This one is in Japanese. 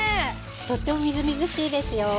とってもみずみずしいですよ。